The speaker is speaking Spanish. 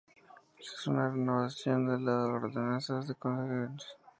Se hace una renovación de las ordenanzas concejiles.